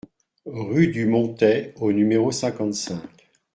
Rue du Montais au numéro cinquante-cinq